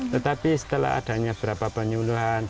tetapi setelah adanya berapa penyuluhan